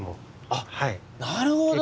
あなるほど！